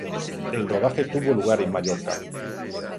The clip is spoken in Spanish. El rodaje tuvo lugar en Mallorca.